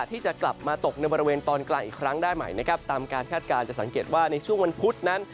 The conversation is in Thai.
ตามการคาดการณ์จะสังเกตว่าในช่วงวันพุธนั้น